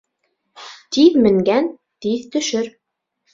Тиҙ менгән тиҙ төшөр.